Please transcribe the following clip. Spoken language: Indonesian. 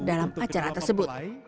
dalam acara tersebut